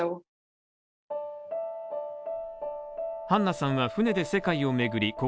ハンナさんは船で世界を巡り